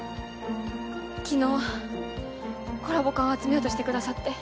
昨日コラボ缶を集めようとしてくださって。